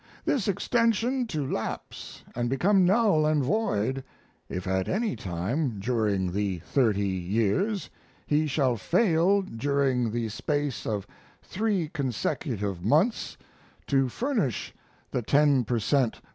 This extension to lapse and become null and void if at any time during the thirty years he shall fail during the space of three consecutive months to furnish the ten per cent.